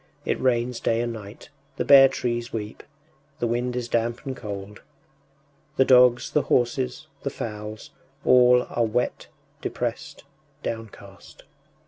It rains day and night, the bare trees weep, the wind is damp and cold. The dogs, the horses, the fowls all are wet, depressed, downcast.